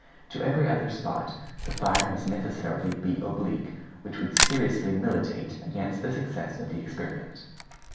In every other spot the fire must necessarily be oblique, which would seriously militate against the success of the experiment.